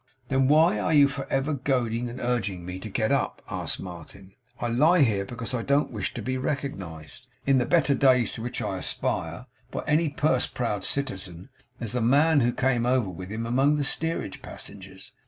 'Then why are you forever goading and urging me to get up?' asked Martin, 'I lie here because I don't wish to be recognized, in the better days to which I aspire, by any purse proud citizen, as the man who came over with him among the steerage passengers.